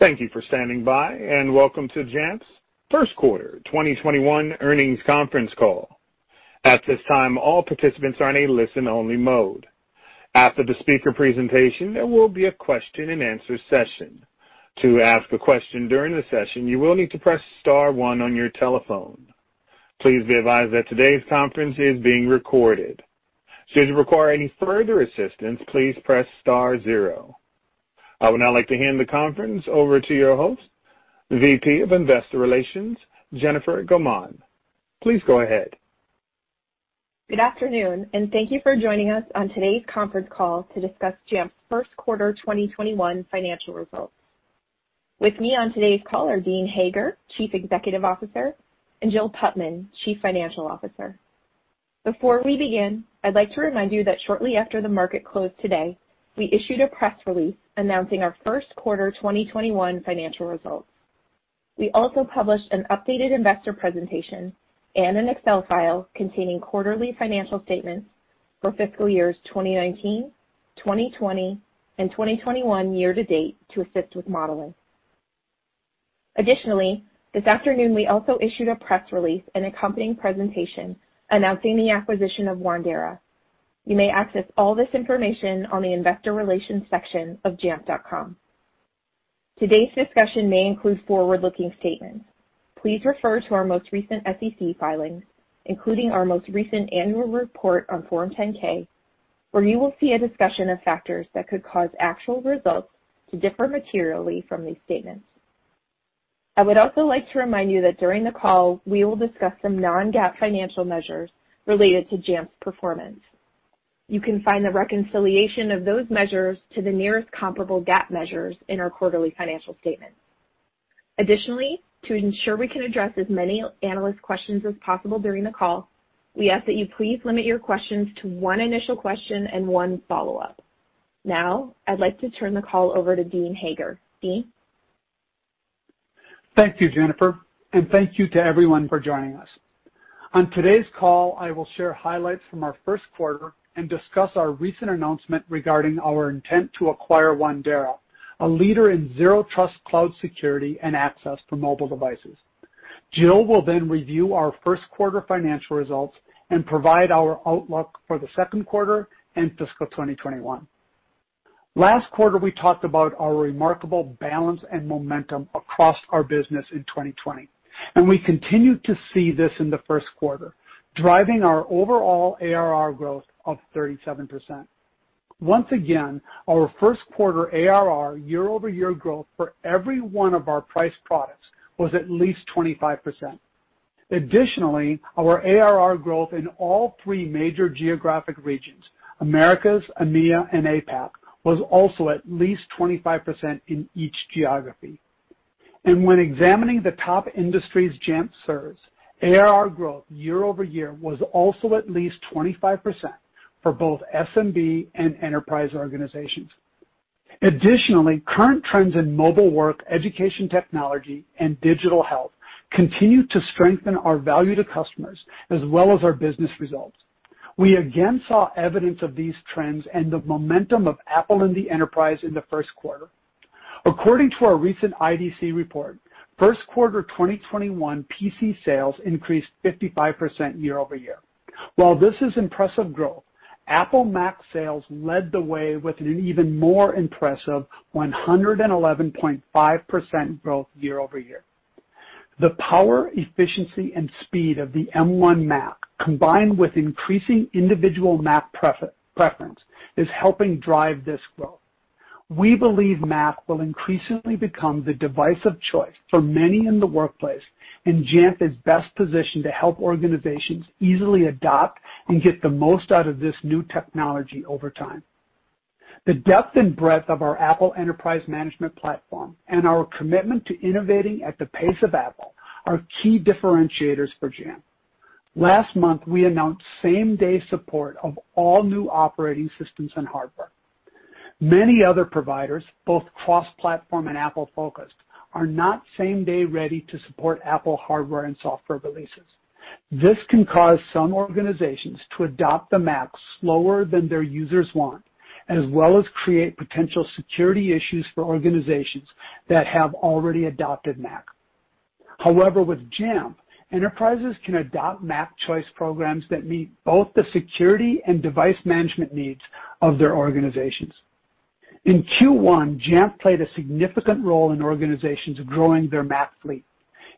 Thank you for standing by, and welcome to Jamf's First Quarter 2021 earnings conference call. At this time all participants are in a Iisten-only mode. After the speaker presentation, there will be a question-and-answer session. To ask a question during the session you will need to press star one on your telephone. Please be advised that today's conference is being recorded. Should you require any further assistance please press star zero. I would now like to hand the conference over to your host, VP of Investor Relations, Jennifer Gaumond. Please go ahead. Good afternoon, and thank you for joining us on today's conference call to discuss Jamf's First Quarter 2021 Financial Results. With me on today's call are Dean Hager, Chief Executive Officer, and Jill Putman, Chief Financial Officer. Before we begin, I'd like to remind you that shortly after the market closed today, we issued a press release announcing our First Quarter 2021 Financial Results. We also published an updated investor presentation and an Excel file containing quarterly financial statements for fiscal years 2019, 2020, and 2021 year to date to assist with modeling. Additionally, this afternoon we also issued a press release and accompanying presentation announcing the acquisition of Wandera. You may access all this information on the investor relations section of jamf.com. Today's discussion may include forward-looking statements. Please refer to our most recent SEC filings, including our most recent annual report on Form 10-K, where you will see a discussion of factors that could cause actual results to differ materially from these statements. I would also like to remind you that during the call, we will discuss some non-GAAP financial measures related to Jamf's performance. You can find the reconciliation of those measures to the nearest comparable GAAP measures in our quarterly financial statements. Additionally, to ensure we can address as many analyst questions as possible during the call, we ask that you please limit your questions to one initial question and one follow-up. Now, I'd like to turn the call over to Dean Hager. Dean? Thank you, Jennifer. Thank you to everyone for joining us. On today's call, I will share highlights from our first quarter and discuss our recent announcement regarding our intent to acquire Wandera, a leader in zero-trust cloud security and access for mobile devices. Jill will then review our first quarter financial results and provide our outlook for the second quarter and fiscal 2021. Last quarter, we talked about our remarkable balance and momentum across our business in 2020, and we continue to see this in the first quarter, driving our overall ARR growth of 37%. Once again, our first quarter ARR year-over-year growth for every one of our priced products was at least 25%. Additionally, our ARR growth in all three major geographic regions, Americas, EMEA, and APAC, was also at least 25% in each geography. When examining the top industries Jamf serves, ARR growth year-over-year was also at least 25% for both SMB and enterprise organizations. Additionally, current trends in mobile work, education technology, and digital health continue to strengthen our value to customers as well as our business results. We again saw evidence of these trends and the momentum of Apple in the Enterprise in the first quarter. According to our recent IDC report, first quarter 2021 PC sales increased 55% year-over-year. While this is impressive growth, Apple Mac sales led the way with an even more impressive 111.5% growth year-over-year. The power, efficiency, and speed of the M1 Mac, combined with increasing individual Mac preference, is helping drive this growth. We believe Mac will increasingly become the device of choice for many in the workplace, and Jamf is best positioned to help organizations easily adopt and get the most out of this new technology over time. The depth and breadth of our Apple Enterprise Management Platform and our commitment to innovating at the pace of Apple are key differentiators for Jamf. Last month, we announced same-day support of all new operating systems and hardware. Many other providers, both cross-platform and Apple focused, are not same-day ready to support Apple hardware and software releases. This can cause some organizations to adopt the Mac slower than their users want, as well as create potential security issues for organizations that have already adopted Mac. However, with Jamf, enterprises can adopt Mac choice programs that meet both the security and device management needs of their organizations. In Q1, Jamf played a significant role in organizations growing their Mac fleet.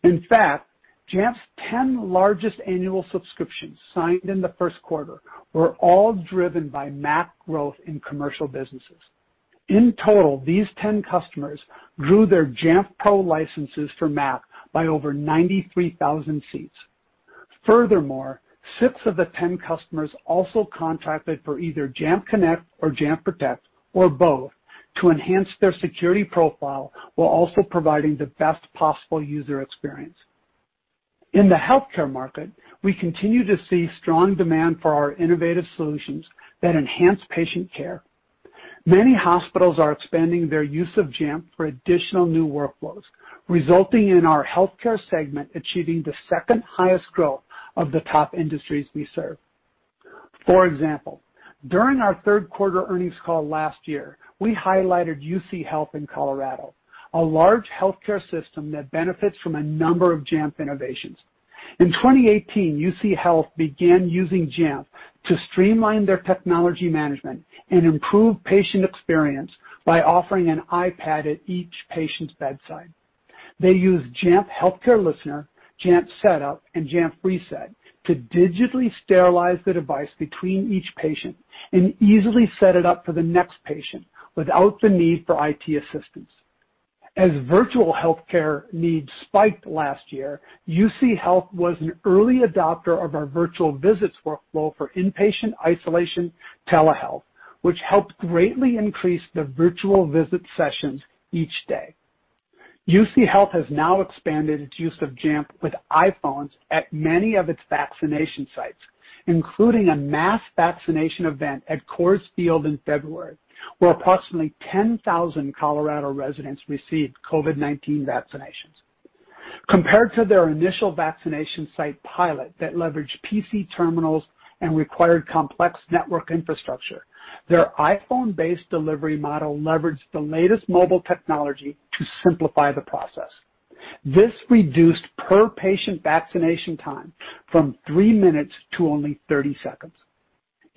In fact, Jamf's 10 largest annual subscriptions signed in the first quarter were all driven by Mac growth in Commercial businesses. In total, these 10 customers grew their Jamf Pro licenses for Mac by over 93,000 seats. Furthermore, six of the 10 customers also contracted for either Jamf Connect or Jamf Protect, or both, to enhance their security profile while also providing the best possible user experience. In the healthcare market, we continue to see strong demand for our innovative solutions that enhance patient care. Many hospitals are expanding their use of Jamf for additional new workflows, resulting in our healthcare segment achieving the second highest growth of the top industries we serve. For example, during our third quarter earnings call last year, we highlighted UCHealth in Colorado, a large healthcare system that benefits from a number of Jamf innovations. In 2018, UCHealth began using Jamf to streamline their technology management and improve patient experience by offering an iPad at each patient's bedside. They use Jamf Healthcare Listener, Jamf Setup, and Jamf Reset to digitally sterilize the device between each patient and easily set it up for the next patient without the need for IT assistance. As virtual healthcare needs spiked last year, UCHealth was an early adopter of our virtual visits workflow for in-patient isolation telehealth, which helped greatly increase the virtual visit sessions each day. UCHealth has now expanded its use of Jamf with iPhones at many of its vaccination sites, including a mass vaccination event at Coors Field in February, where approximately 10,000 Colorado residents received COVID-19 vaccinations. Compared to their initial vaccination site pilot that leveraged PC terminals and required complex network infrastructure, their iPhone-based delivery model leveraged the latest mobile technology to simplify the process. This reduced per-patient vaccination time from three minutes to only 30 seconds.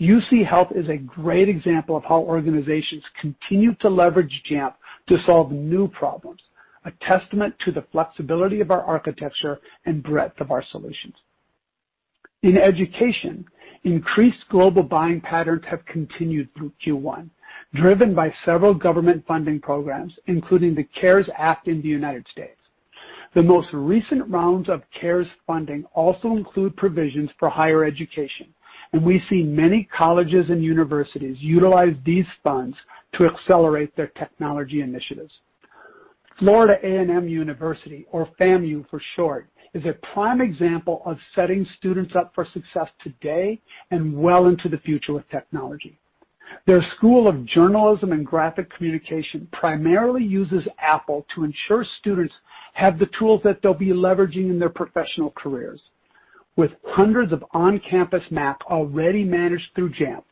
UCHealth is a great example of how organizations continue to leverage Jamf to solve new problems, a testament to the flexibility of our architecture and breadth of our solutions. In education, increased global buying patterns have continued through Q1, driven by several government funding programs, including the CARES Act in the United States. The most recent rounds of CARES funding also include provisions for higher education. We see many colleges and universities utilize these funds to accelerate their technology initiatives. Florida A&M University, or FAMU for short, is a prime example of setting students up for success today and well into the future with technology. Their School of Journalism and Graphic Communication primarily uses Apple to ensure students have the tools that they'll be leveraging in their professional careers. With hundreds of on-campus Mac already managed through Jamf,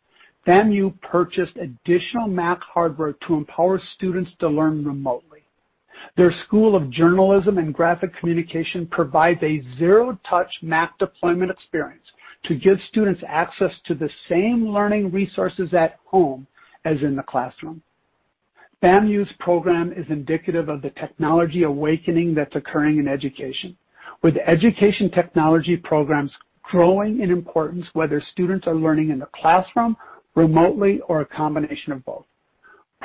FAMU purchased additional Mac hardware to empower students to learn remotely. Their School of Journalism and Graphic Communication provides a zero-touch Mac deployment experience to give students access to the same learning resources at home as in the classroom. FAMU's program is indicative of the technology awakening that's occurring in education, with education technology programs growing in importance whether students are learning in the classroom, remotely, or a combination of both.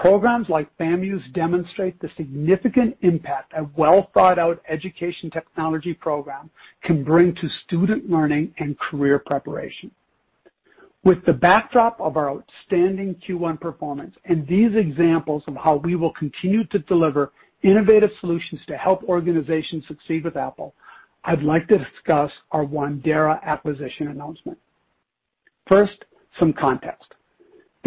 Programs like FAMU's demonstrate the significant impact a well-thought-out education technology program can bring to student learning and career preparation. With the backdrop of our outstanding Q1 performance and these examples of how we will continue to deliver innovative solutions to help organizations succeed with Apple, I'd like to discuss our Wandera acquisition announcement. First, some context.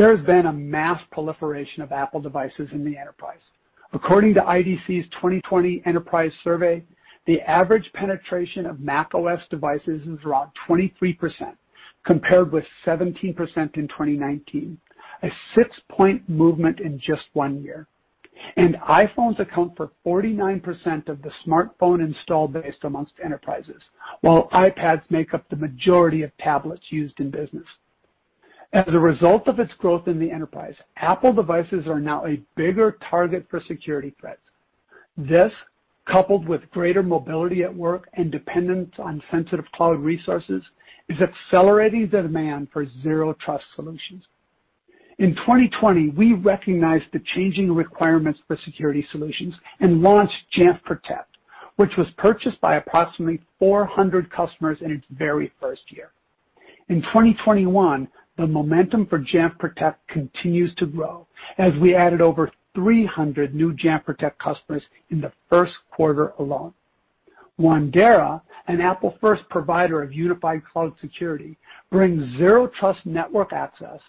There has been a mass proliferation of Apple devices in the Enterprise. According to IDC's 2020 Enterprise Survey, the average penetration of macOS devices is around 23%, compared with 17% in 2019, a six-point movement in just one year. iPhones account for 49% of the smartphone install base amongst enterprises, while iPads make up the majority of tablets used in business. As a result of its growth in the Enterprise, Apple devices are now a bigger target for security threats. This, coupled with greater mobility at work and dependence on sensitive cloud resources, is accelerating the demand for zero-trust solutions. In 2020, we recognized the changing requirements for security solutions and launched Jamf Protect, which was purchased by approximately 400 customers in its very first year. In 2021, the momentum for Jamf Protect continues to grow as we added over 300 new Jamf Protect customers in the first quarter alone. Wandera, an Apple first provider of unified cloud security, brings Zero-Trust Network Access,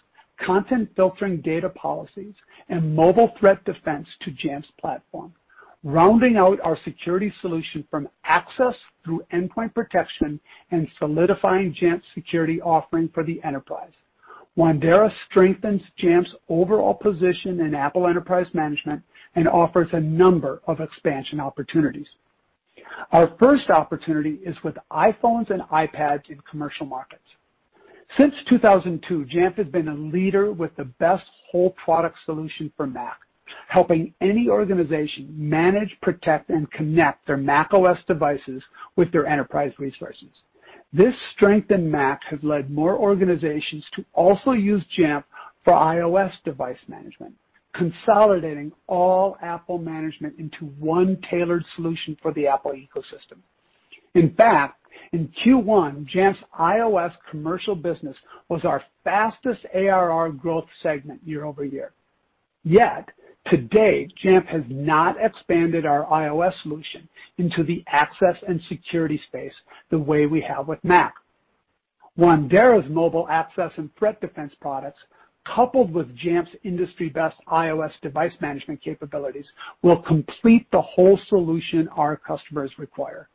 content filtering data policies, and mobile threat defense to Jamf's platform, rounding out our security solution from access through endpoint protection and solidifying Jamf's security offering for the Enterprise. Wandera strengthens Jamf's overall position in Apple Enterprise Management and offers a number of expansion opportunities. Our first opportunity is with iPhones and iPads in commercial markets. Since 2002, Jamf has been a leader with the best whole product solution for Mac, helping any organization manage, protect, and connect their macOS devices with their enterprise resources. This strength in Mac has led more organizations to also use Jamf for iOS device management, consolidating all Apple management into one tailored solution for the Apple ecosystem. In fact, in Q1, Jamf's iOS Commercial business was our fastest ARR growth segment year-over-year. Yet, to date, Jamf has not expanded our iOS solution into the access and security space the way we have with Mac. Wandera's mobile access and threat defense products, coupled with Jamf's industry-best iOS device management capabilities, will complete the whole solution our customers require.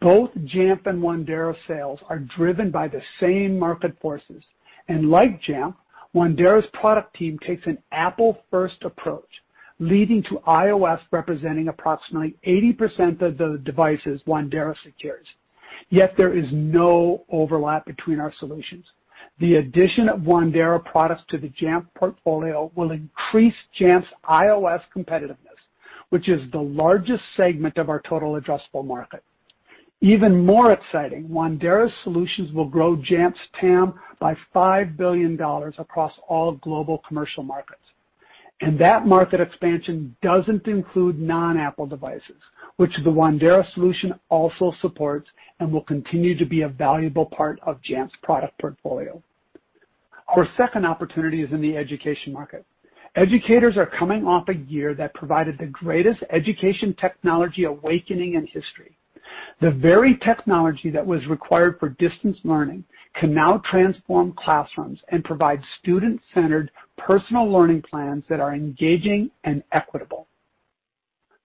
Both Jamf and Wandera sales are driven by the same market forces. Like Jamf, Wandera's product team takes an Apple first approach, leading to iOS representing approximately 80% of the devices Wandera secures. Yet there is no overlap between our solutions. The addition of Wandera products to the Jamf portfolio will increase Jamf's iOS competitiveness, which is the largest segment of our total addressable market. Even more exciting, Wandera's solutions will grow Jamf's TAM by $5 billion across all global commercial markets. That market expansion doesn't include non-Apple devices, which the Wandera solution also supports and will continue to be a valuable part of Jamf's product portfolio. Our second opportunity is in the education market. Educators are coming off a year that provided the greatest education technology awakening in history. The very technology that was required for distance learning can now transform classrooms and provide student-centered personal learning plans that are engaging and equitable.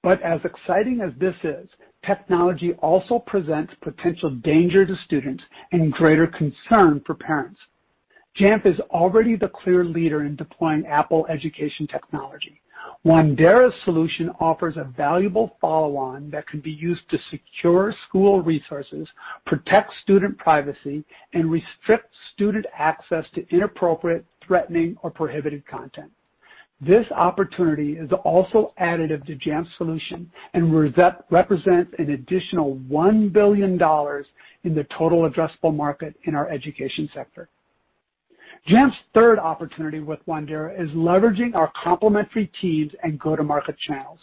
As exciting as this is, technology also presents potential danger to students and greater concern for parents. Jamf is already the clear leader in deploying Apple education technology. Wandera's solution offers a valuable follow-on that can be used to secure school resources, protect student privacy, and restrict student access to inappropriate, threatening, or prohibited content. This opportunity is also additive to Jamf's solution and represents an additional $1 billion in the total addressable market in our Education sector. Jamf's third opportunity with Wandera is leveraging our complementary teams and go-to-market channels.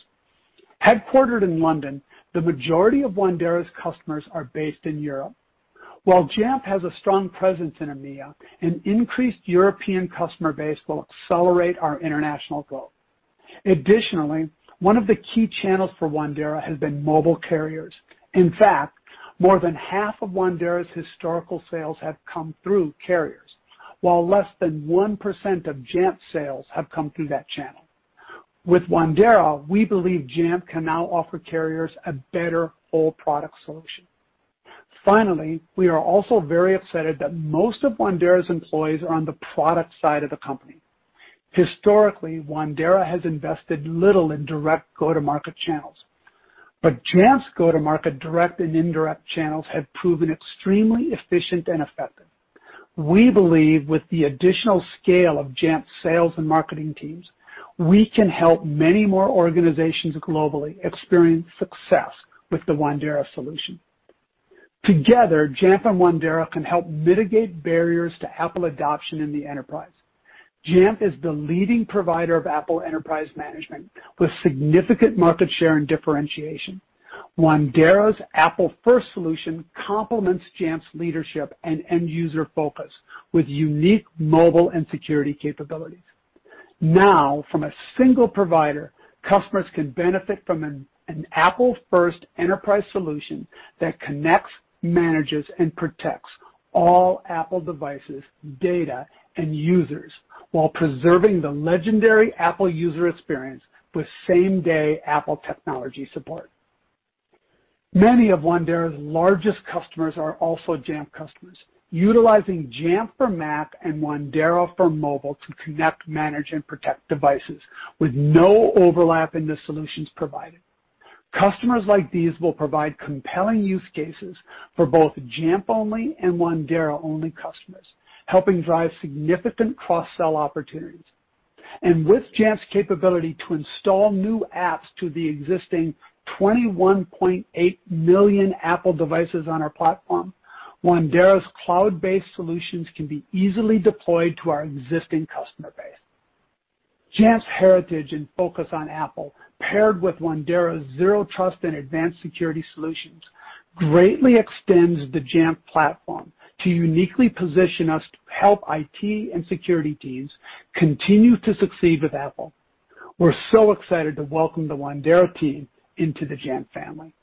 Headquartered in London, the majority of Wandera's customers are based in Europe. While Jamf has a strong presence in EMEA, an increased European customer base will accelerate our international growth. Additionally, one of the key channels for Wandera has been mobile carriers. In fact, more than half of Wandera's historical sales have come through carriers, while less than 1% of Jamf's sales have come through that channel. With Wandera, we believe Jamf can now offer carriers a better whole product solution. Finally, we are also very excited that most of Wandera's employees are on the product side of the company. Historically, Wandera has invested little in direct go-to-market channels. Jamf's go-to-market direct and indirect channels have proven extremely efficient and effective. We believe with the additional scale of Jamf's sales and marketing teams, we can help many more organizations globally experience success with the Wandera solution. Together, Jamf and Wandera can help mitigate barriers to Apple adoption in the enterprise. Jamf is the leading provider of Apple enterprise management with significant market share and differentiation. Wandera's Apple- first solution complements Jamf's leadership and end user focus with unique mobile and security capabilities. Now, from a single provider, customers can benefit from an Apple-first enterprise solution that connects, manages, and protects all Apple devices, data, and users while preserving the legendary Apple user experience with same-day Apple technology support. Many of Wandera's largest customers are also Jamf customers, utilizing Jamf for Mac and Wandera for mobile to connect, manage, and protect devices with no overlap in the solutions provided. Customers like these will provide compelling use cases for both Jamf-only and Wandera-only customers, helping drive significant cross-sell opportunities. With Jamf's capability to install new apps to the existing 21.8 million Apple devices on our platform, Wandera's cloud-based solutions can be easily deployed to our existing customer base. Jamf's heritage and focus on Apple, paired with Wandera's Zero-Trust and Advanced Security Solutions, greatly extends the Jamf platform to uniquely position us to help IT and security teams continue to succeed with Apple. We're so excited to welcome the Wandera team into the Jamf family.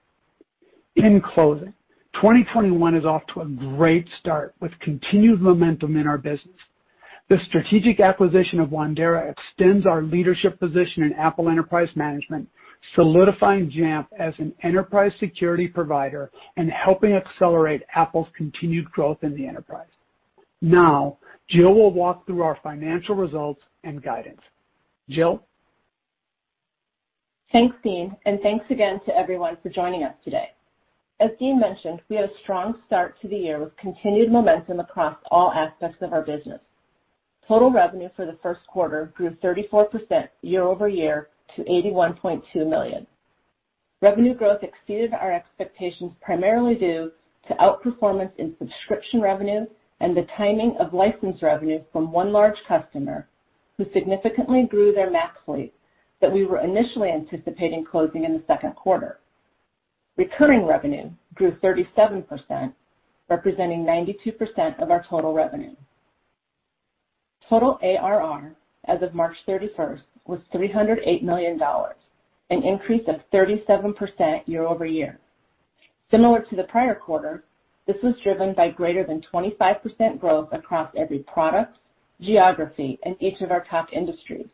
In closing, 2021 is off to a great start with continued momentum in our business. The strategic acquisition of Wandera extends our leadership position in Apple Enterprise Management, solidifying Jamf as an enterprise security provider and helping accelerate Apple's continued growth in the enterprise. Now, Jill will walk through our financial results and guidance. Jill? Thanks, Dean, and thanks again to everyone for joining us today. As Dean mentioned, we had a strong start to the year with continued momentum across all aspects of our business. Total revenue for the first quarter grew 34% year-over-year to $81.2 million. Revenue growth exceeded our expectations primarily due to outperformance in subscription revenue and the timing of license revenue from one large customer who significantly grew their Mac fleet that we were initially anticipating closing in the second quarter. Recurring revenue grew 37%, representing 92% of our total revenue. Total ARR as of March 31st was $308 million, an increase of 37% year-over-year. Similar to the prior quarter, this was driven by greater than 25% growth across every product, geography, and each of our top industries.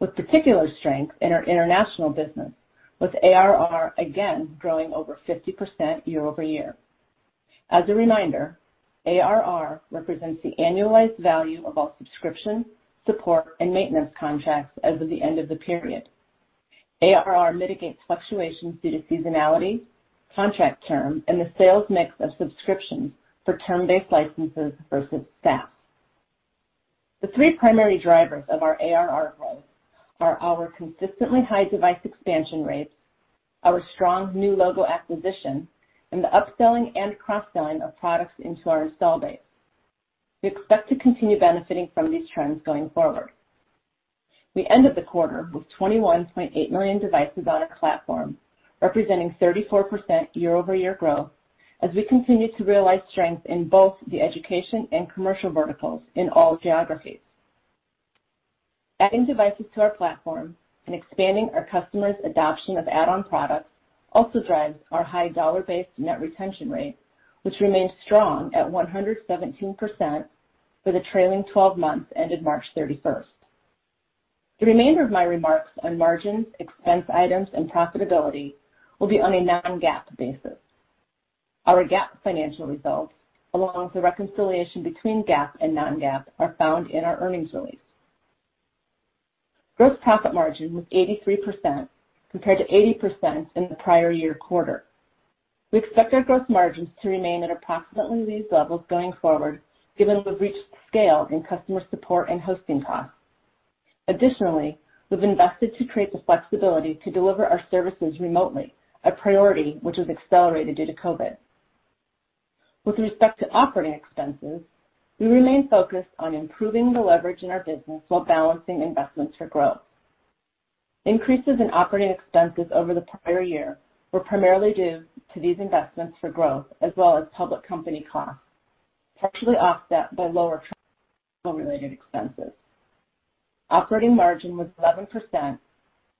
With particular strength in our international business, with ARR again growing over 50% year-over-year. As a reminder, ARR represents the annualized value of all subscription, support, and maintenance contracts as of the end of the period. ARR mitigates fluctuations due to seasonality, contract term, and the sales mix of subscriptions for term-based licenses versus SaaS. The three primary drivers of our ARR growth are our consistently high device expansion rates, our strong new logo acquisition, and the upselling and cross-selling of products into our install base. We expect to continue benefiting from these trends going forward. We end the quarter with 21.8 million devices on our platform, representing 34% year-over-year growth as we continue to realize strength in both the Education and Commercial verticals in all geographies. Adding devices to our platform and expanding our customers' adoption of add-on products also drives our high dollar-based net retention rate, which remains strong at 117% for the trailing 12 months ended March 31st. The remainder of my remarks on margins, expense items, and profitability will be on a non-GAAP basis. Our GAAP financial results, along with the reconciliation between GAAP and non-GAAP, are found in our earnings release. Gross profit margin was 83% compared to 80% in the prior year quarter. We expect our gross margins to remain at approximately these levels going forward, given we've reached scale in customer support and hosting costs. Additionally, we've invested to create the flexibility to deliver our services remotely, a priority which was accelerated due to COVID. With respect to operating expenses, we remain focused on improving the leverage in our business while balancing investments for growth. Increases in operating expenses over the prior year were primarily due to these investments for growth as well as public company costs, partially offset by lower related expenses. Operating margin was 11%,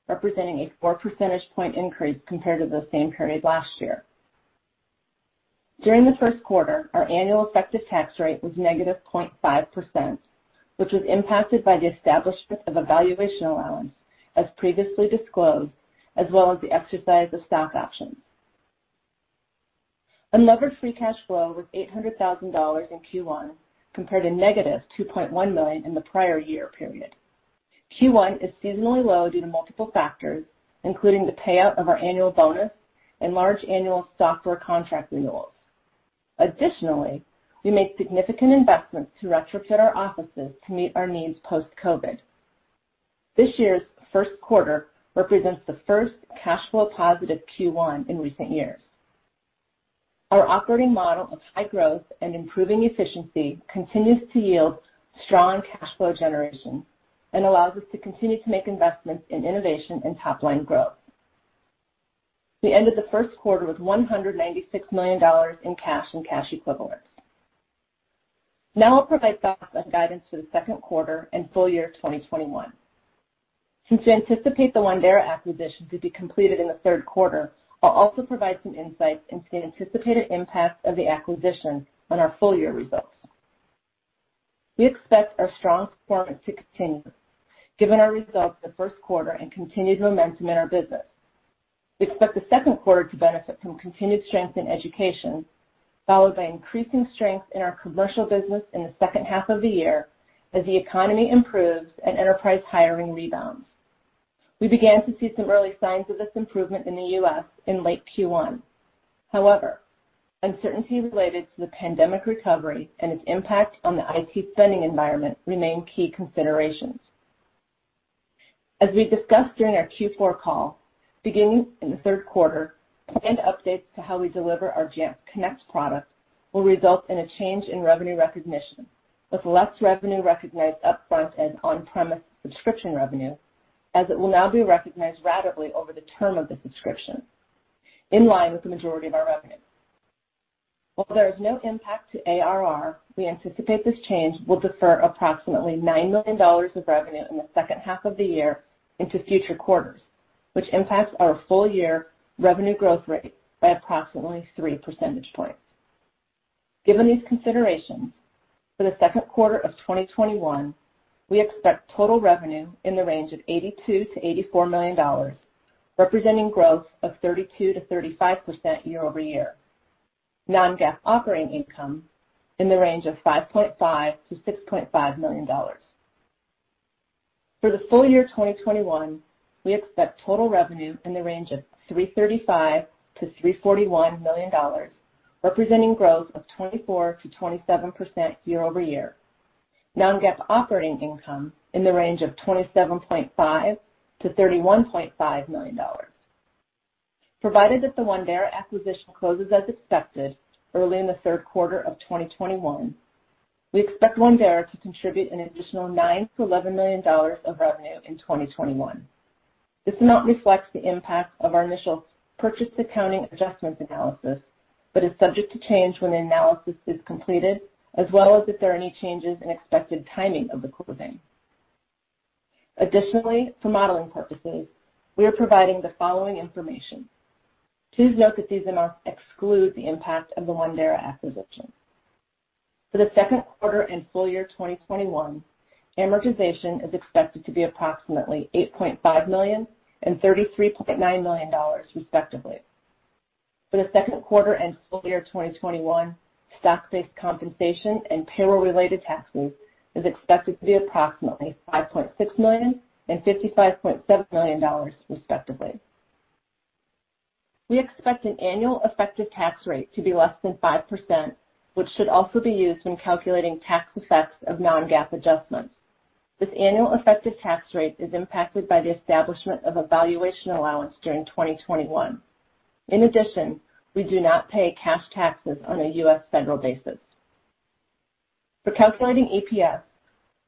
representing a four percentage point increase compared to the same period last year. During the first quarter, our annual effective tax rate was -0.5%, which was impacted by the establishment of a valuation allowance as previously disclosed, as well as the exercise of stock options. Unlevered free cash flow was $800,000 in Q1 compared to -$2.1 million in the prior year period. Q1 is seasonally low due to multiple factors, including the payout of our annual bonus and large annual software contract renewals. We made significant investments to retrofit our offices to meet our needs post-COVID. This year's first quarter represents the first cash flow positive Q1 in recent years. Our operating model of high growth and improving efficiency continues to yield strong cash flow generation and allows us to continue to make investments in innovation and top-line growth. We end the first quarter with $196 million in cash and cash equivalents. I'll provide thoughts on guidance for the second quarter and full year 2021. We anticipate the Wandera acquisition to be completed in the third quarter, I'll also provide some insights into the anticipated impact of the acquisition on our full-year results. We expect our strong performance to continue given our results the first quarter and continued momentum in our business. We expect the second quarter to benefit from continued strength in Education, followed by increasing strength in our Commercial business in the second half of the year as the economy improves and Enterprise hiring rebounds. We began to see some early signs of this improvement in the U.S. in late Q1. Uncertainty related to the pandemic recovery and its impact on the IT spending environment remain key considerations. As we discussed during our Q4 call, beginning in the third quarter, planned updates to how we deliver our Jamf Connect product will result in a change in revenue recognition, with less revenue recognized up front as on-premise subscription revenue, as it will now be recognized ratably over the term of the subscription, in line with the majority of our revenue. While there is no impact to ARR, we anticipate this change will defer approximately $9 million of revenue in the second half of the year into future quarters, which impacts our full-year revenue growth rate by approximately 3 percentage points. Given these considerations, for the second quarter of 2021, we expect total revenue in the range of $82 million-$84 million, representing growth of 32%-35% year-over-year. Non-GAAP operating income in the range of $5.5 million-$6.5 million. For the full year 2021, we expect total revenue in the range of $335 million-$341 million, representing growth of 24%-27% year-over-year. Non-GAAP operating income in the range of $27.5 million-$31.5 million. Provided that the Wandera acquisition closes as expected early in the third quarter of 2021, we expect Wandera to contribute an additional $9 million-$11 million of revenue in 2021. This amount reflects the impact of our initial purchase accounting adjustments analysis, but is subject to change when the analysis is completed, as well as if there are any changes in expected timing of the closing. Additionally, for modeling purposes, we are providing the following information. Please note that these amounts exclude the impact of the Wandera acquisition. For the second quarter and full year 2021, amortization is expected to be approximately $8.5 million and $33.9 million respectively. For the second quarter and full year 2021, stock-based compensation and payroll-related taxes is expected to be approximately $5.6 million and $55.7 million respectively. We expect an annual effective tax rate to be less than 5%, which should also be used when calculating tax effects of non-GAAP adjustments. This annual effective tax rate is impacted by the establishment of a valuation allowance during 2021. In addition, we do not pay cash taxes on a U.S. federal basis. For calculating EPS,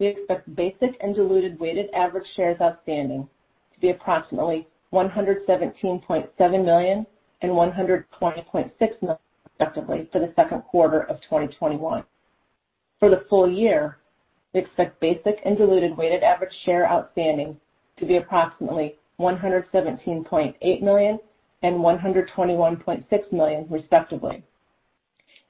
we expect basic and diluted weighted average shares outstanding to be approximately 117.7 million and 120.6 million respectively for the second quarter of 2021. For the full year, we expect basic and diluted weighted average share outstanding to be approximately 117.8 million and 121.6 million respectively.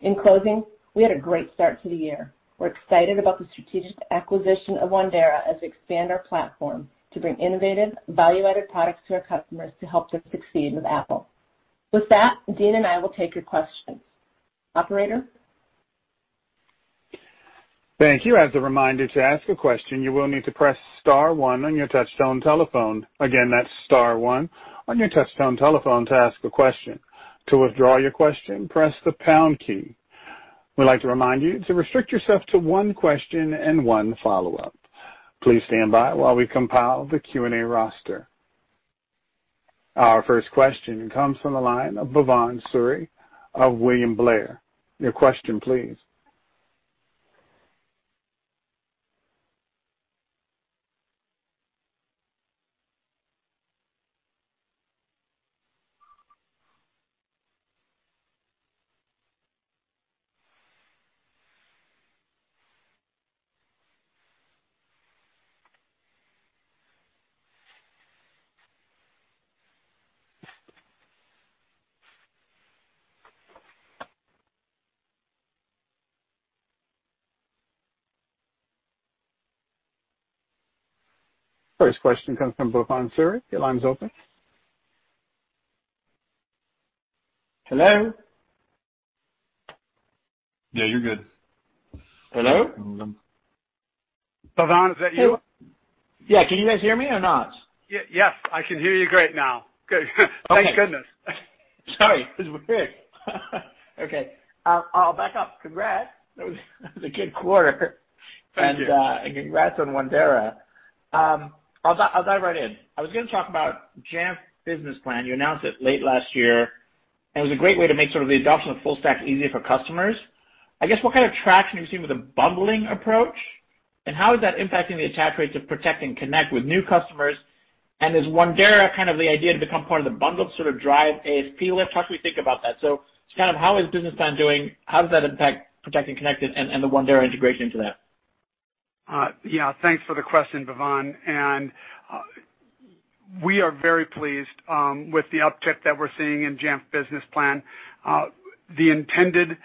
In closing, we had a great start to the year. We're excited about the strategic acquisition of Wandera as we expand our platform to bring innovative, value-added products to our customers to help them succeed with Apple. With that, Dean and I will take your questions. Operator? Thank you. As a reminder, to ask a question, you will need to press star one on your touchtone telephone. Again, that's star one on your touchtone telephone to ask a question. To withdraw your question, press the pound key. We'd like to remind you to restrict yourself to one question and one follow-up. Please stand by while we compile the Q&A roster. Our first question comes from the line of Bhavan Suri of William Blair. Your question please. First question comes from Bhavan Suri. Your line's open. Hello? Yeah, you're good. Hello? Bhavan, is that you? Yeah, can you guys hear me or not? Yes, I can hear you great now. Good. Thank goodness. Sorry. This is weird. Okay. I'll back up. Congrats. That was a good quarter. Thank you. Congrats on Wandera. I'll dive right in. I was going to talk about Jamf Business Plan. You announced it late last year, and it was a great way to make the adoption of full stack easier for customers. I guess, what kind of traction are you seeing with the bundling approach, and how is that impacting the attach rates of Protect and Connect with new customers? Is Wandera kind of the idea to become part of the bundle to sort of drive ASP lift? How should we think about that? Just kind of how is Business Plan doing? How does that impact Protect and Connect and the Wandera integration into that? Thanks for the question, Bhavan, we are very pleased with the uptick that we're seeing in Jamf Business Plan. The intended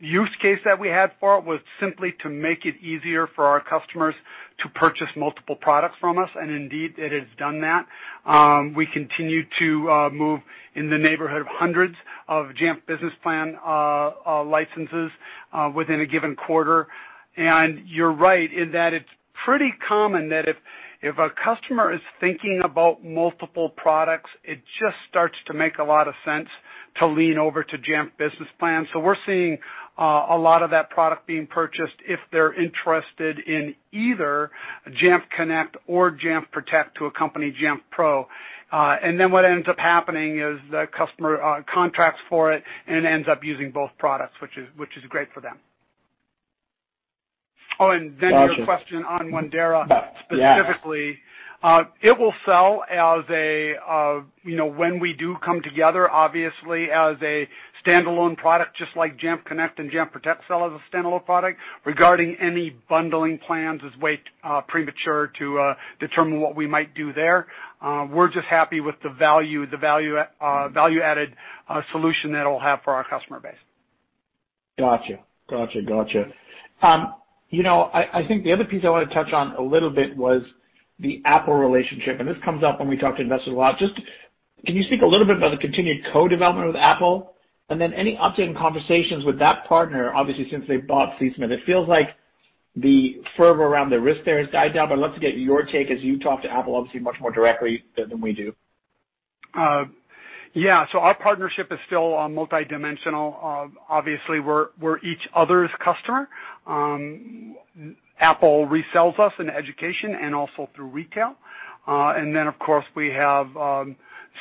use case that we had for it was simply to make it easier for our customers to purchase multiple products from us, indeed, it has done that. We continue to move in the neighborhood of hundreds of Jamf Business Plan licenses within a given quarter. You're right in that it's pretty common that if a customer is thinking about multiple products, it just starts to make a lot of sense to lean over to Jamf Business Plan. We're seeing a lot of that product being purchased if they're interested in either Jamf Connect or Jamf Protect to accompany Jamf Pro. What ends up happening is the customer contracts for it and ends up using both products, which is great for them. Oh, your question on Wandera. Yes. Specifically. It will sell, when we do come together, obviously as a standalone product, just like Jamf Connect and Jamf Protect sell as a standalone product. Regarding any bundling plans, it's way too premature to determine what we might do there. We're just happy with the value-added solution that it'll have for our customer base. Got you. I think the other piece I wanted to touch on a little bit was the Apple relationship, and this comes up when we talk to investors a lot. Just can you speak a little bit about the continued co-development with Apple? Any update in conversations with that partner, obviously since they bought Fleetsmith? It feels like the fervor around the risk there has died down, but I'd love to get your take as you talk to Apple obviously much more directly than we do. Yeah. Our partnership is still multi-dimensional. Obviously, we're each other's customer. Apple resells us in Education and also through retail. Then, of course, we have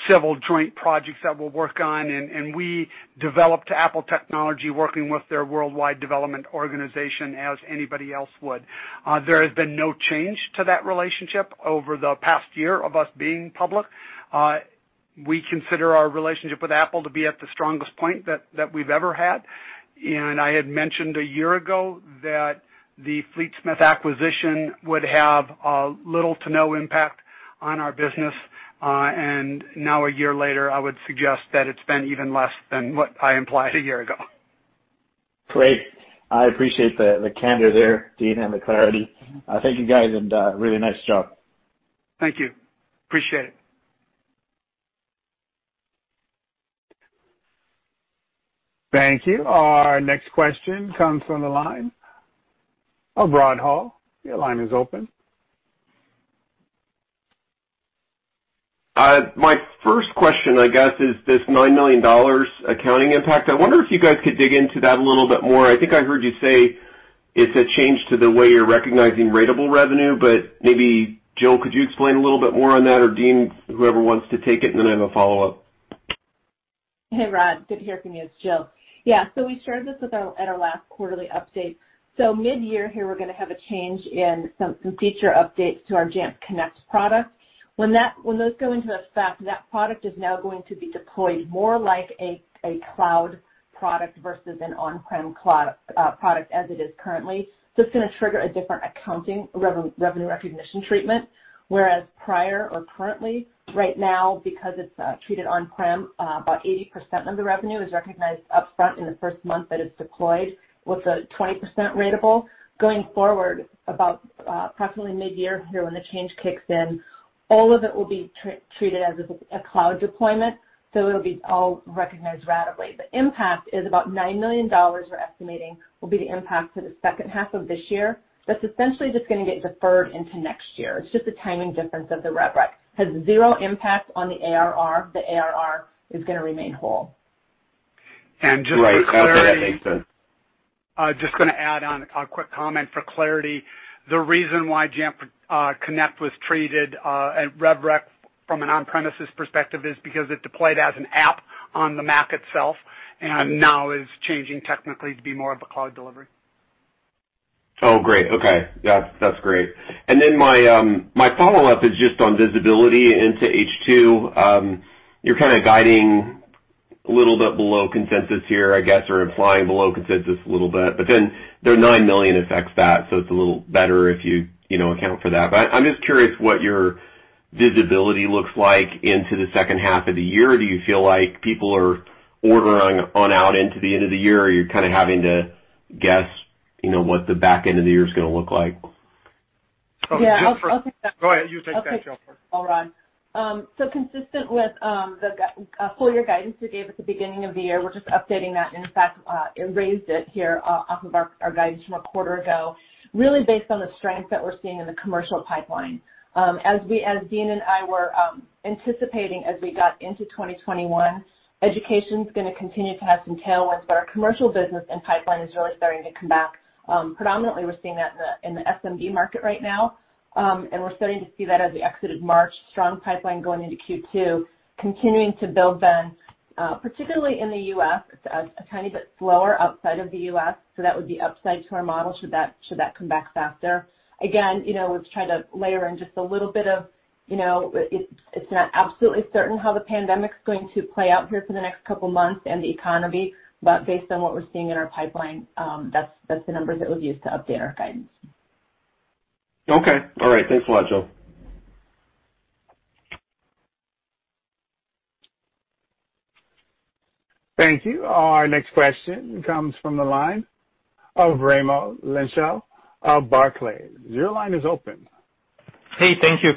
several joint projects that we'll work on, and we developed Apple technology working with their worldwide development organization as anybody else would. There has been no change to that relationship over the past year of us being public. We consider our relationship with Apple to be at the strongest point that we've ever had. I had mentioned a year ago that the Fleetsmith acquisition would have little to no impact on our business. Now a year later, I would suggest that it's been even less than what I implied a year ago. Great. I appreciate the candor there, Dean, and the clarity. Thank you, guys, and really nice job. Thank you. Appreciate it. Thank you. Our next question comes from the line of Rod Hall. Your line is open. My first question, I guess, is this $9 million accounting impact. I wonder if you guys could dig into that a little bit more. I think I heard you say it's a change to the way you're recognizing ratable revenue, but maybe, Jill, could you explain a little bit more on that? Dean, whoever wants to take it, and then I have a follow-up. Hey, Rod. Good to hear from you. It's Jill. Mid-year here, we're going to have a change in some feature updates to our Jamf Connect product. When those go into effect, that product is now going to be deployed more like a cloud product versus an on-prem product as it is currently. It's going to trigger a different accounting revenue recognition treatment, whereas prior or currently, right now, because it's treated on-prem, about 80% of the revenue is recognized upfront in the first month that it's deployed with a 20% ratable. Going forward, about approximately mid-year here when the change kicks in, all of it will be treated as a cloud deployment, so it'll be all recognized ratably. The impact is about $9 million we're estimating will be the impact to the second half of this year. That's essentially just going to get deferred into next year. It's just a timing difference of the rev rec. Has zero impact on the ARR. The ARR is going to remain whole. Right. Okay, that makes sense. Just going to add on a quick comment for clarity. The reason why Jamf Connect was treated at rev rec from an on-premises perspective is because it deployed as an app on the Mac itself, and now it's changing technically to be more of a cloud delivery. Oh, great. Okay. Yeah, that's great. My follow-up is just on visibility into H2. You're kind of guiding a little bit below consensus here, I guess, or implying below consensus a little bit, the $9 million affects that, it's a little better if you account for that. I'm just curious what your visibility looks like into the second half of the year. Do you feel like people are ordering on out into the end of the year, or are you kind of having to guess what the back end of the year is going to look like? Yeah, I'll take that. Go ahead. You take that, Jill. I'll take that, Rod. Consistent with the full-year guidance we gave at the beginning of the year, we're just updating that. In fact, it raised it here off of our guidance from a quarter ago, really based on the strength that we're seeing in the Commercial pipeline. As Dean and I were anticipating as we got into 2021, Education's going to continue to have some tailwinds, but our Commercial business and pipeline is really starting to come back. Predominantly, we're seeing that in the SMB market right now, and we're starting to see that as we exited March, strong pipeline going into Q2, continuing to build then, particularly in the U.S. It's a tiny bit slower outside of the U.S., that would be upside to our model should that come back faster. We've tried to layer in just a little bit of, it's not absolutely certain how the pandemic's going to play out here for the next couple of months and the economy. Based on what we're seeing in our pipeline, that's the numbers that we've used to update our guidance. Okay. All right. Thanks a lot, Jill. Thank you. Our next question comes from the line of Raimo Lenschow of Barclays. Your line is open. Hey, thank you.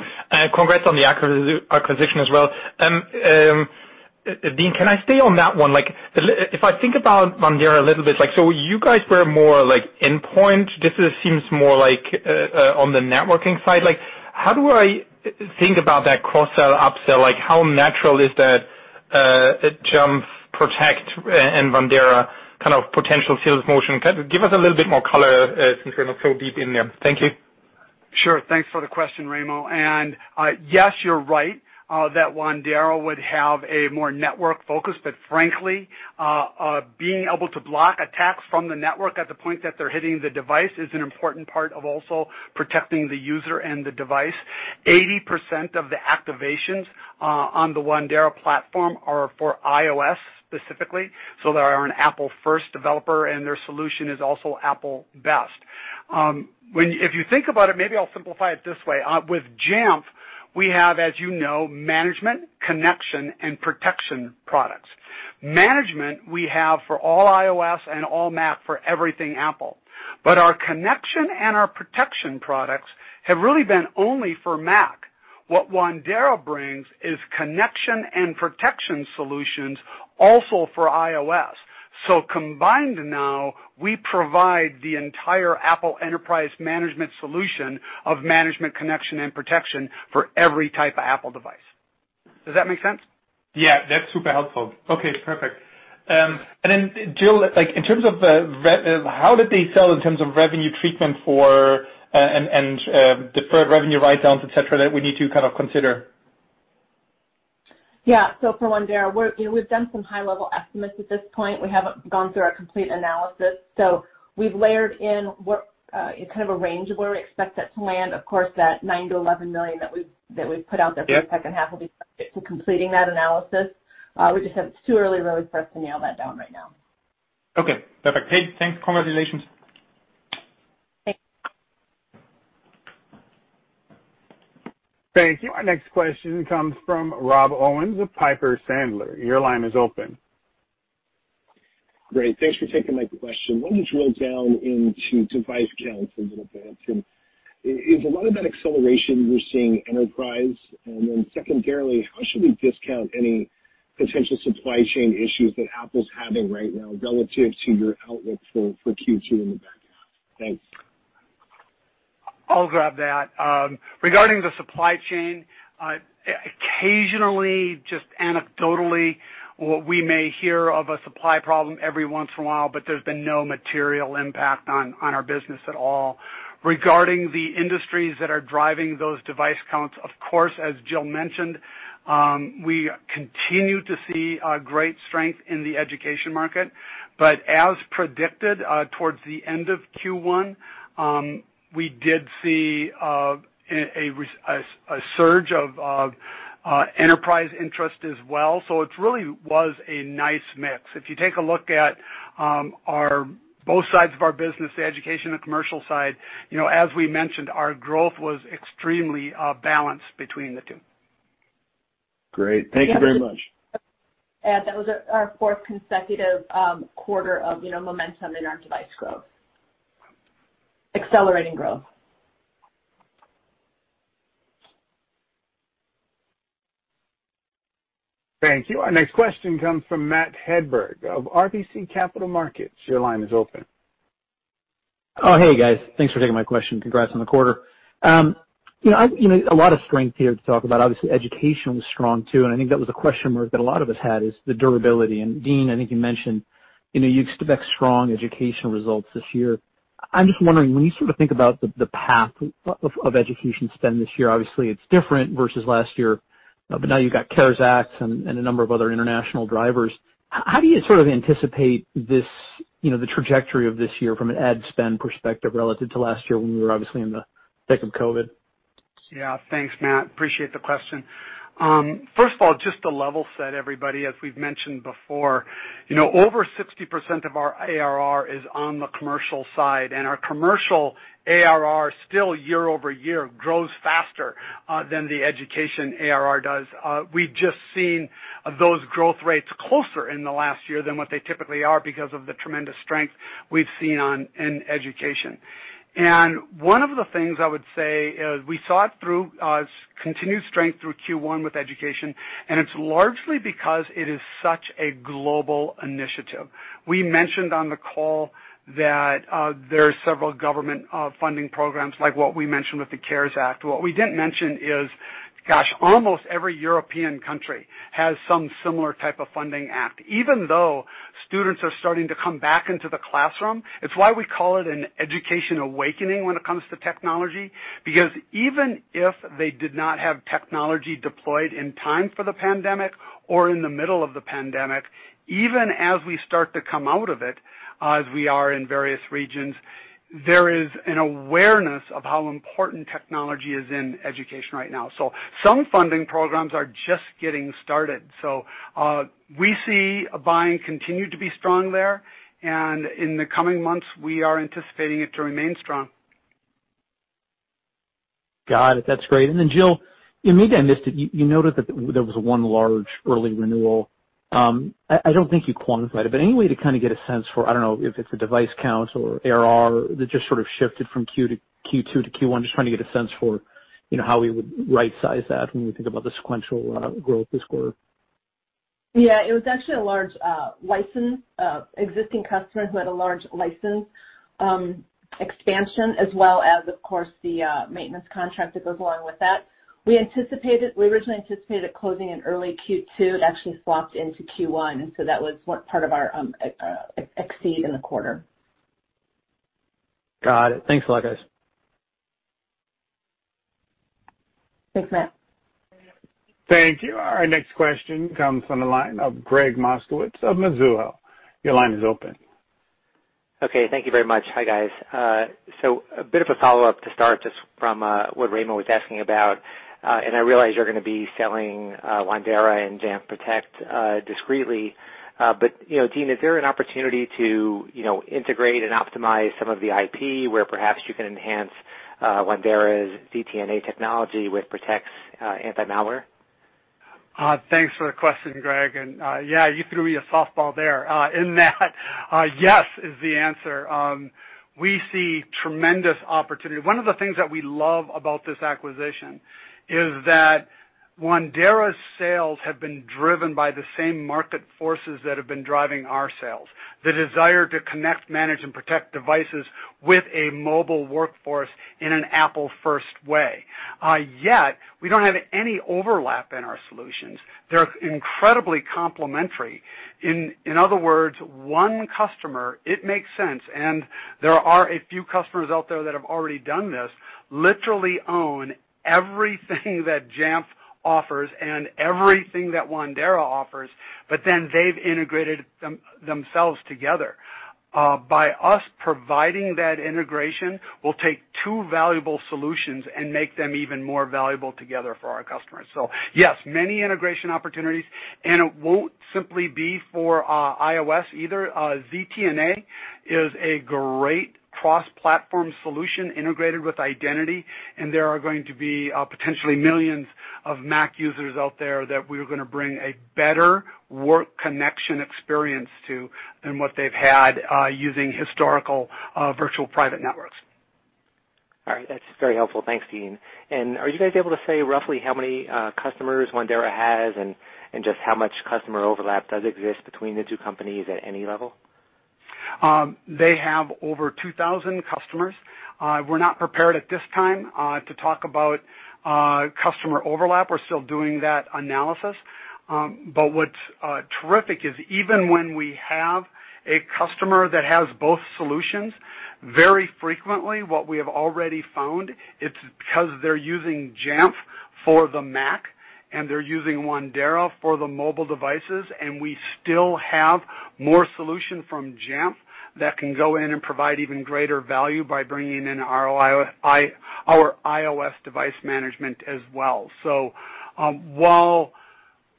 Congrats on the acquisition as well. Dean, can I stay on that one? If I think about Wandera a little bit, so you guys were more endpoint. This seems more on the networking side. How do I think about that cross-sell, upsell? How natural is that Jamf Protect and Wandera kind of potential sales motion? Give us a little bit more color since we're not so deep in there. Thank you. Sure. Thanks for the question, Raimo. Yes, you're right that Wandera would have a more network focus, but frankly, being able to block attacks from the network at the point that they're hitting the device is an important part of also protecting the user and the device. 80% of the activations on the Wandera platform are for iOS specifically, they are an Apple-first developer, their solution is also Apple best. If you think about it, maybe I'll simplify it this way. With Jamf, we have, as you know, management, connection, and protection products. Management we have for all iOS and all Mac for everything Apple. Our connection and our protection products have really been only for Mac. What Wandera brings is connection and protection solutions also for iOS. Combined now, we provide the entire Apple Enterprise Management Solution of management, connection, and protection for every type of Apple device. Does that make sense? Yeah, that's super helpful. Okay, perfect. Jill, how did they sell in terms of revenue treatment for, and deferred revenue write-downs, et cetera, that we need to kind of consider? Yeah. For Wandera, we've done some high-level estimates at this point. We haven't gone through our complete analysis. We've layered in kind of a range of where we expect that to land. Of course, that $9 million-$11 million that we've put out there- Yeah. ...for the second half will be subject to completing that analysis. It's too early really for us to nail that down right now. Okay, perfect. Hey, thanks. Congratulations. Thank you. Our next question comes from Rob Owens with Piper Sandler. Your line is open. Great. Thanks for taking my question. Let me drill down into device counts a little bit. Is a lot of that acceleration we're seeing Enterprise? Secondarily, how should we discount any potential supply chain issues that Apple's having right now relative to your outlook for Q2 in the back half? Thanks. I'll grab that. Regarding the supply chain, occasionally, just anecdotally, we may hear of a supply problem every once in a while, but there's been no material impact on our business at all. Regarding the industries that are driving those device counts, of course, as Jill mentioned, we continue to see a great strength in the Education market. As predicted, towards the end of Q1, we did see a surge of Enterprise interest as well. It really was a nice mix. If you take a look at both sides of our business, the Education and Commercial side, as we mentioned, our growth was extremely balanced between the two. Great. Thank you very much. That was our fourth consecutive quarter of momentum in our device growth. Accelerating growth. Thank you. Our next question comes from Matt Hedberg of RBC Capital Markets. Your line is open. Hey, guys. Thanks for taking my question. Congrats on the quarter. A lot of strength here to talk about. Obviously, Education was strong, too. I think that was a question mark that a lot of us had, is the durability. Dean, I think you mentioned you expect strong Education results this year. I'm just wondering, when you think about the path of Education spend this year, obviously it's different versus last year, but now you've got CARES Acts and a number of other international drivers. How do you anticipate the trajectory of this year from an ad spend perspective relative to last year when we were obviously in the thick of COVID? Yeah. Thanks, Matt. Appreciate the question. First of all, just to level-set everybody, as we've mentioned before, over 60% of our ARR is on the Commercial side. Our Commercial ARR still year-over-year grows faster than the Education ARR does. We've just seen those growth rates closer in the last year than what they typically are because of the tremendous strength we've seen in Education. One of the things I would say, we saw it through continued strength through Q1 with Education. It's largely because it is such a global initiative. We mentioned on the call that there are several government funding programs, like what we mentioned with the CARES Act. What we didn't mention is, gosh, almost every European country has some similar type of funding act. Even though students are starting to come back into the classroom, it's why we call it an education awakening when it comes to technology, because even if they did not have technology deployed in time for the pandemic or in the middle of the pandemic, even as we start to come out of it, as we are in various regions, there is an awareness of how important technology is in education right now. Some funding programs are just getting started. We see buying continue to be strong there, and in the coming months, we are anticipating it to remain strong. Got it. That's great. Jill, you maybe I missed it, you noted that there was one large early renewal. I don't think you quantified it, but any way to kind of get a sense for, I don't know if it's a device count or ARR that just sort of shifted from Q2 to Q1, just trying to get a sense for how we would right size that when we think about the sequential growth this quarter. Yeah, it was actually an existing customer who had a large license expansion as well as, of course, the maintenance contract that goes along with that. We originally anticipated closing in early Q2. It actually swapped into Q1. That was what part of our exceed in the quarter. Got it. Thanks a lot, guys. Thanks, Matt. Thank you. Our next question comes from the line of Gregg Moskowitz of Mizuho. Your line is open. Okay. Thank you very much. Hi, guys. A bit of a follow-up to start, just from what Raimo was asking about, and I realize you're going to be selling Wandera and Jamf Protect discreetly. Dean, is there an opportunity to integrate and optimize some of the IP where perhaps you can enhance Wandera's ZTNA technology with Protect's anti-malware? Thanks for the question, Gregg. Yeah, you threw me a softball there. In that, yes is the answer. We see tremendous opportunity. One of the things that we love about this acquisition is that Wandera's sales have been driven by the same market forces that have been driving our sales. The desire to connect, manage, and protect devices with a mobile workforce in an Apple-first way. Yet we don't have any overlap in our solutions. They're incredibly complementary. In other words, one customer, it makes sense, and there are a few customers out there that have already done this, literally own everything that Jamf offers and everything that Wandera offers, but then they've integrated themselves together. By us providing that integration, we'll take two valuable solutions and make them even more valuable together for our customers. Yes, many integration opportunities, and it won't simply be for iOS either. ZTNA is a great cross-platform solution integrated with identity, and there are going to be potentially millions of Mac users out there that we are going to bring a better work connection experience to than what they've had using historical virtual private networks. All right. That's very helpful. Thanks, Dean. Are you guys able to say roughly how many customers Wandera has and just how much customer overlap does exist between the two companies at any level? They have over 2,000 customers. We're not prepared at this time to talk about customer overlap. We're still doing that analysis. What's terrific is even when we have a customer that has both solutions, very frequently, what we have already found, it's because they're using Jamf for the Mac and they're using Wandera for the mobile devices, and we still have more solution from Jamf that can go in and provide even greater value by bringing in our iOS device management as well. While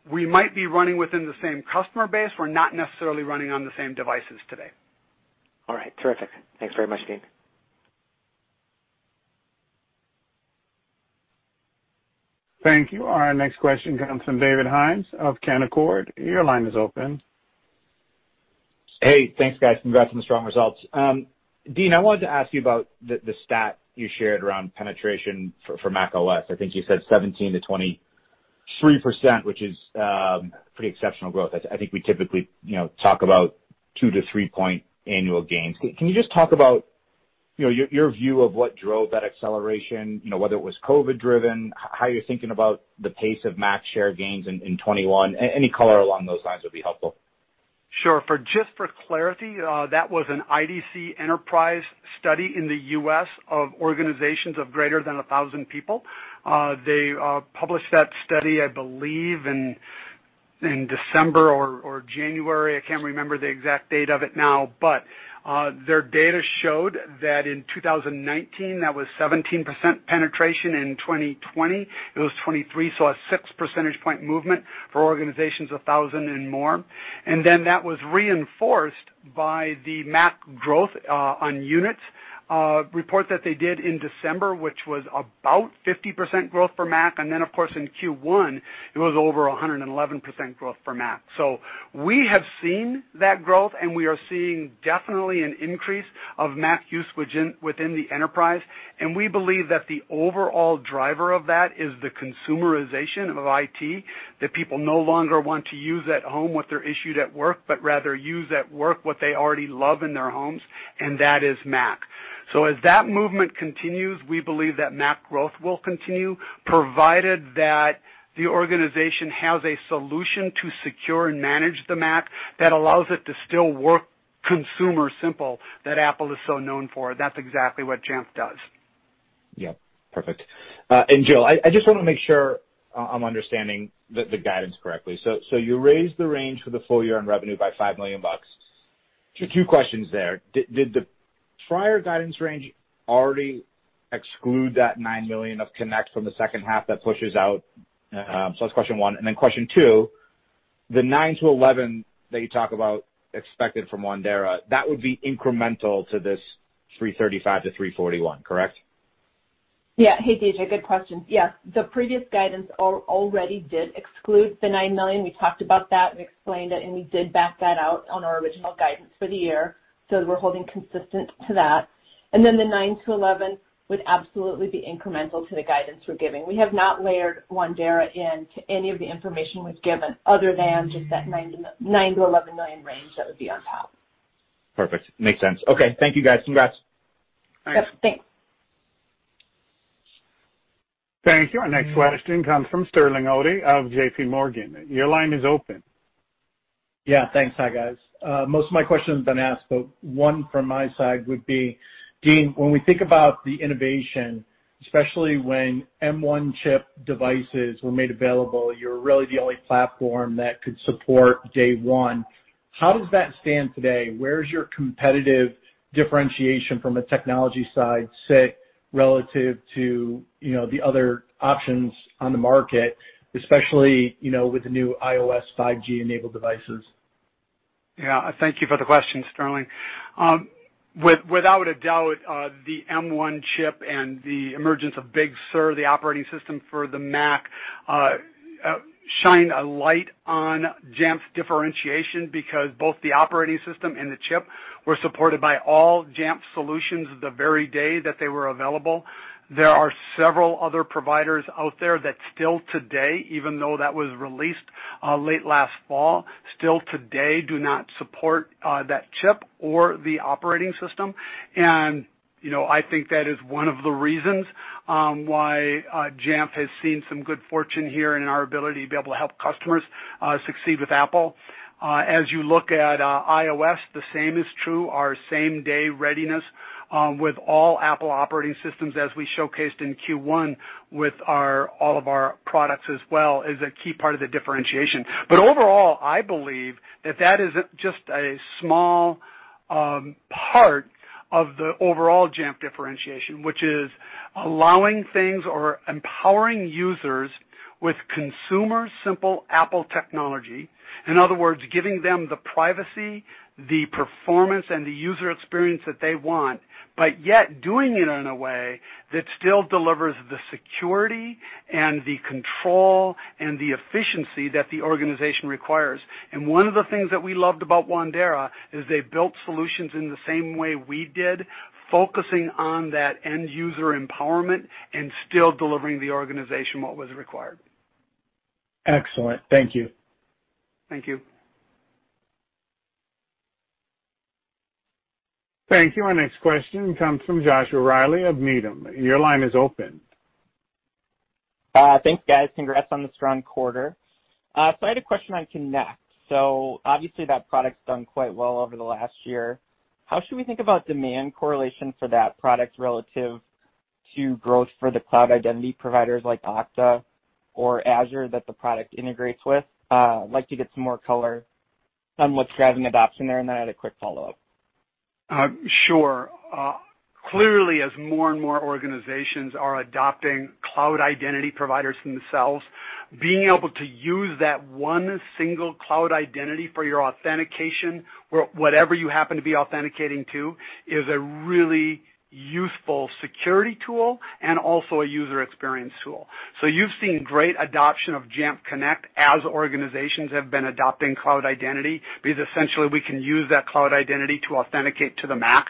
we might be running within the same customer base, we're not necessarily running on the same devices today. All right. Terrific. Thanks very much, Dean. Thank you. Our next question comes from David Hynes of Canaccord. Hey, thanks, guys. Congrats on the strong results. Dean, I wanted to ask you about the stat you shared around penetration for macOS. I think you said 17%-23%, which is pretty exceptional growth. I think we typically talk about two to three-point annual gains. Can you just talk about your view of what drove that acceleration? Whether it was COVID driven, how you're thinking about the pace of Mac share gains in 2021. Any color along those lines would be helpful. Sure. Just for clarity, that was an IDC Enterprise Study in the U.S. of organizations of greater than 1,000 people. They published that study, I believe, in December or January. I can't remember the exact date of it now. Their data showed that in 2019, that was 17% penetration. In 2020, it was 23%, so a six-percentage point movement for organizations 1,000 and more. That was reinforced by the Mac growth on units report that they did in December, which was about 50% growth for Mac. Of course, in Q1, it was over 111% growth for Mac. We have seen that growth, and we are seeing definitely an increase of Mac use within the Enterprise. We believe that the overall driver of that is the consumerization of IT, that people no longer want to use at home what they're issued at work, but rather use at work what they already love in their homes, and that is Mac. As that movement continues, we believe that Mac growth will continue, provided that the organization has a solution to secure and manage the Mac that allows it to still work consumer simple that Apple is so known for. That's exactly what Jamf does. Yep. Perfect. Jill, I just want to make sure I'm understanding the guidance correctly. You raised the range for the full year on revenue by $5 million. Two questions there. Did the prior guidance range already exclude that $9 million of Connect from the second half that pushes out? That's question one. Question two, the $9 million-$11 million that you talk about expected from Wandera, that would be incremental to this $335 million-$341 million, correct? Yeah. Hey, DJ, good questions. Yeah, the previous guidance already did exclude the $9 million. We talked about that and explained it. We did back that out on our original guidance for the year. We're holding consistent to that. The $9million-$11 million would absolutely be incremental to the guidance we're giving. We have not layered Wandera in to any of the information we've given, other than just that $9 million-$11 million range that would be on top. Perfect. Makes sense. Okay. Thank you, guys. Congrats. Yep. Thanks. Thank you. Our next question comes from Sterling Auty of JPMorgan. Your line is open. Yeah. Thanks. Hi, guys. Most of my question's been asked, but one from my side would be, Dean, when we think about the innovation, especially when M1 chip devices were made available, you're really the only platform that could support day one. How does that stand today? Where's your competitive differentiation from a technology side, say, relative to the other options on the market, especially with the new iOS 5G enabled devices? Yeah. Thank you for the question, Sterling. Without a doubt, the M1 chip and the emergence of Big Sur, the operating system for the Mac, shined a light on Jamf's differentiation because both the operating system and the chip were supported by all Jamf solutions the very day that they were available. There are several other providers out there that still today, even though that was released late last fall, still today do not support that chip or the operating system. I think that is one of the reasons why Jamf has seen some good fortune here in our ability to be able to help customers succeed with Apple. As you look at iOS, the same is true. Our same-day readiness with all Apple operating systems as we showcased in Q1 with all of our products as well, is a key part of the differentiation. Overall, I believe that that is just a small part of the overall Jamf differentiation, which is allowing things or empowering users with consumer simple Apple technology. In other words, giving them the privacy, the performance, and the user experience that they want, but yet doing it in a way that still delivers the security and the control and the efficiency that the organization requires. One of the things that we loved about Wandera is they built solutions in the same way we did, focusing on that end-user empowerment and still delivering the organization what was required. Excellent. Thank you. Thank you. Thank you. Our next question comes from Joshua Reilly of Needham. Your line is open. Thanks, guys. Congrats on the strong quarter. I had a question on Connect. Obviously that product's done quite well over the last year. How should we think about demand correlation for that product relative to growth for the cloud identity providers like Okta or Azure that the product integrates with? I'd like to get some more color on what's driving adoption there, and then I had a quick follow-up. Sure. Clearly, as more and more organizations are adopting cloud identity providers themselves, being able to use that one single cloud identity for your authentication, whatever you happen to be authenticating to, is a really useful security tool and also a user experience tool. You've seen great adoption of Jamf Connect as organizations have been adopting cloud identity, because essentially we can use that cloud identity to authenticate to the Mac.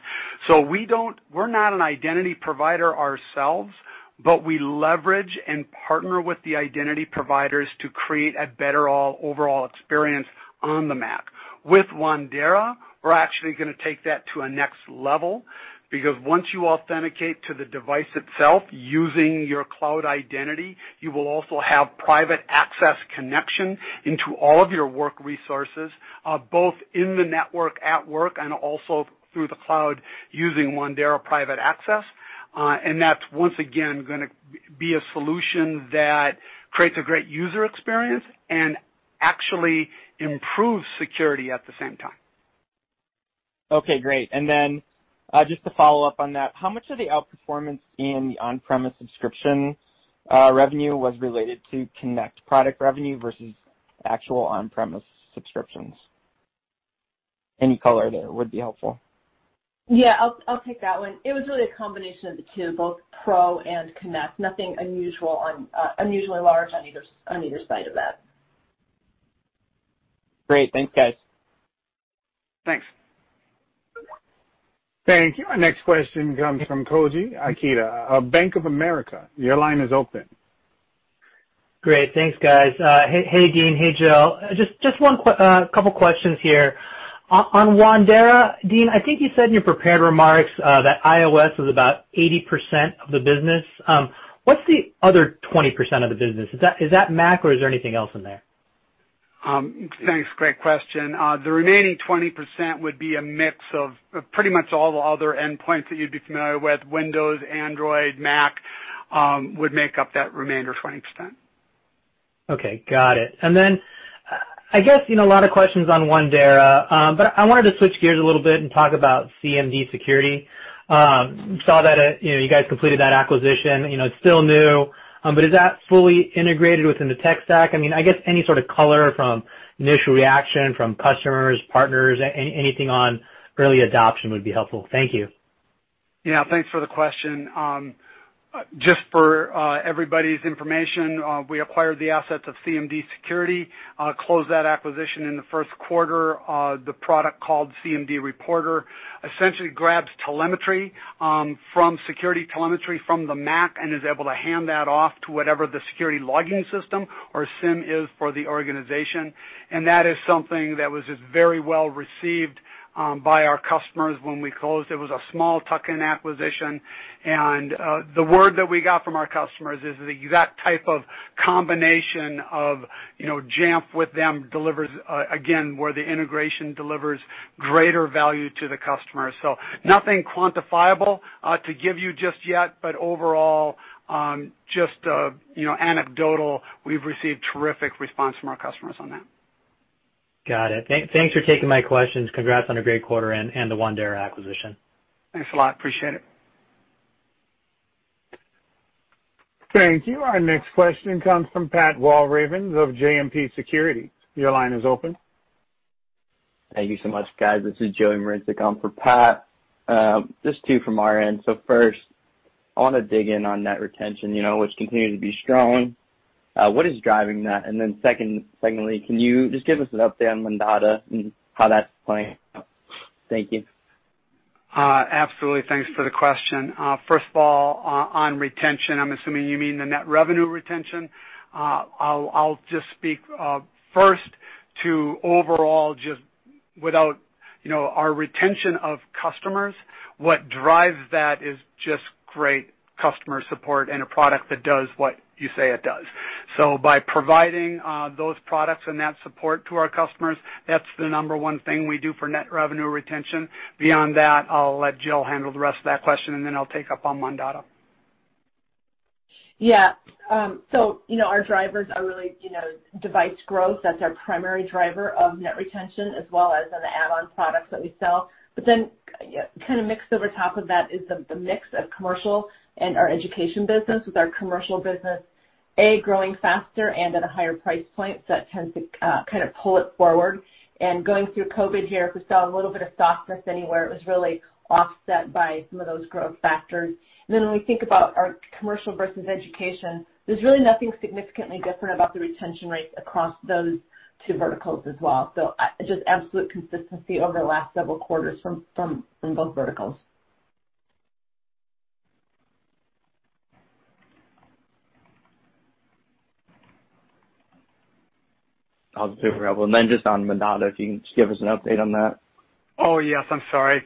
We're not an identity provider ourselves, but we leverage and partner with the identity providers to create a better overall experience on the Mac. With Wandera, we're actually going to take that to a next level, because once you authenticate to the device itself using your cloud identity, you will also have private access connection into all of your work resources, both in the network at work and also through the cloud using Jamf Private Access. That's, once again, going to be a solution that creates a great user experience and actually improves security at the same time. Okay, great. Just to follow up on that, how much of the outperformance in the on-premise subscription revenue was related to Connect product revenue versus actual on-premise subscriptions? Any color there would be helpful. Yeah, I'll take that one. It was really a combination of the two, both Pro and Connect. Nothing unusually large on either side of that. Great. Thanks, guys. Thanks. Thank you. Our next question comes from Koji Ikeda of Bank of America. Your line is open. Great. Thanks, guys. Hey, Dean. Hey, Jill. Just a couple questions here. On Wandera, Dean, I think you said in your prepared remarks that iOS is about 80% of the business. What's the other 20% of the business? Is that Mac, or is there anything else in there? Thanks. Great question. The remaining 20% would be a mix of pretty much all the other endpoints that you'd be familiar with. Windows, Android, Mac would make up that remainder 20%. Okay, got it. I guess a lot of questions on Wandera, but I wanted to switch gears a little bit and talk about cmdSecurity. Saw that you guys completed that acquisition. It's still new, but is that fully integrated within the tech stack? I guess any sort of color from initial reaction from customers, partners, anything on early adoption would be helpful. Thank you. Yeah, thanks for the question. Just for everybody's information, we acquired the assets of cmdSecurity, closed that acquisition in the first quarter. The product called cmdReporter essentially grabs security telemetry from the Mac and is able to hand that off to whatever the security logging system or SIEM is for the organization. That is something that was just very well received by our customers when we closed. It was a small tuck-in acquisition. The word that we got from our customers is the exact type of combination of Jamf with them delivers, again, where the integration delivers greater value to the customer. Nothing quantifiable to give you just yet, but overall, just anecdotal, we've received terrific response from our customers on that. Got it. Thanks for taking my questions. Congrats on a great quarter and the Wandera acquisition. Thanks a lot. Appreciate it. Thank you. Our next question comes from Pat Walravens of JMP Securities. Your line is open. Thank you so much, guys. This is Joey Moricz on for Pat. Just two from our end. First, I want to dig in on net retention, which continued to be strong. What is driving that? Secondly, can you just give us an update on Wandera and how that's playing out? Thank you. Absolutely. Thanks for the question. First of all, on retention, I'm assuming you mean the net revenue retention. I'll just speak first to overall, just without our retention of customers, what drives that is just great customer support and a product that does what you say it does. By providing those products and that support to our customers, that's the number one thing we do for net revenue retention. Beyond that, I'll let Jill handle the rest of that question, and then I'll take up on Wandera. Yeah. Our drivers are really device growth. That's our primary driver of net retention, as well as on the add-on products that we sell. Then, kind of mixed over top of that is the mix of Commercial and our Education business, with our Commercial Business, A, growing faster and at a higher price point. That tends to kind of pull it forward. Going through COVID here, if we saw a little bit of softness anywhere, it was really offset by some of those growth factors. Then when we think about our Commercial versus Education, there's really nothing significantly different about the retention rates across those two verticals as well. Just absolute consistency over the last several quarters from both verticals. That was super helpful. Just on Wandera, if you can just give us an update on that? Oh, yes. I'm sorry.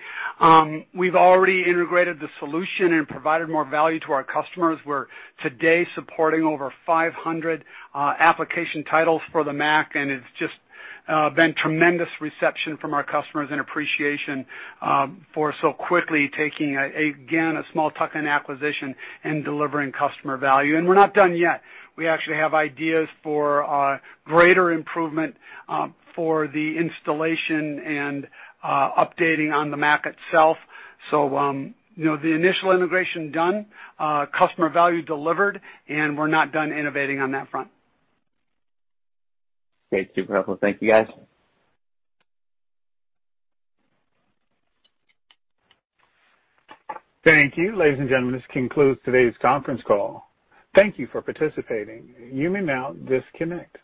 We've already integrated the solution and provided more value to our customers. We're today supporting over 500 application titles for the Mac. It's just been tremendous reception from our customers and appreciation for so quickly taking, again, a small tuck-in acquisition and delivering customer value. We're not done yet. We actually have ideas for greater improvement for the installation and updating on the Mac itself. The initial integration done, customer value delivered, and we're not done innovating on that front. Great. Super helpful. Thank you, guys. Thank you, ladies and gentlemen. This concludes today's conference call. Thank you for participating. You may now disconnect.